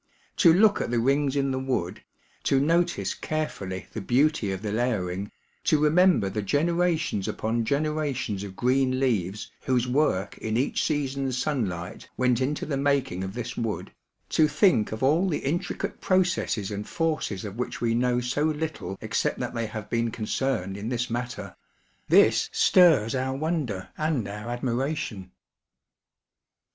To look at the rings in the wood, to notice carefully the beauty of the layering, to remember the generations upon generations of green leaves whose work in each season's sunlight went into the making of Fig. 61. — Cells of the phloem. A, the ad THE STRUCTURE AND GROWTH OF STEMS 177 this wood, to think of all the intricate processes and forces of which we know so little except that . they have been concerned in this matter — this stirs our wonder and our admiration.